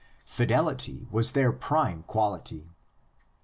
Fidelity was their prime quality.